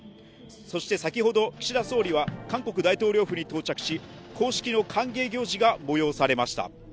そして先ほど、岸田総理は韓国大統領府に到着し、公式の歓迎行事が催されました。